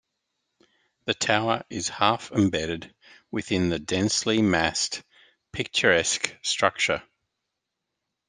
The tower is half-embedded within the densely massed picturesque structure.